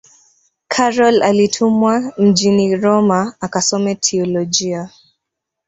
karol alitumwa mjini roma akasome teolojia